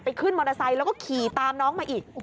ขึ้นมอเตอร์ไซค์แล้วก็ขี่ตามน้องมาอีก